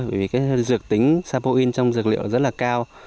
vì cái dược tính sapoin trong dược liệu rất là cao